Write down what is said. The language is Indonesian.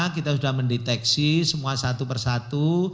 kita sudah mendeteksi semua satu persatu